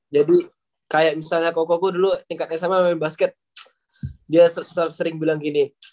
jadi kayak misalnya koko ku dulu tingkat sma main basket dia sering bilang gini